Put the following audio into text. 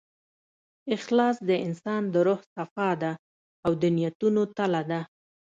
اخلاص د انسان د روح صفا ده، او د نیتونو تله ده.